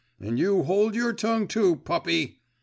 And you hold your tongue too, puppy!